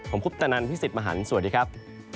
ผมคุปตนันพี่สิทธิ์มหันฯสวัสดีครับ